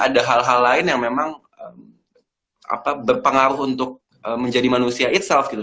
ada hal hal lain yang memang berpengaruh untuk menjadi manusia it self gitu